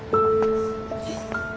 えっ？